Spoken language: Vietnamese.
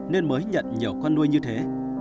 nên mới nhận nhiều con nuôi như thế